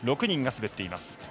６人が滑っています。